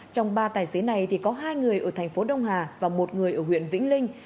trong ba tài xế này có hai người ở thành phố đông hà và một người ở huyện vĩnh linh